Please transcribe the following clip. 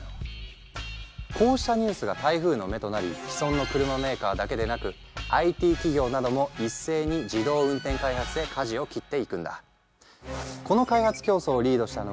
こうしたニュースが台風の目となり既存の車メーカーだけでなくＩＴ企業なども一斉に自動運転開発へかじを切っていくんだ。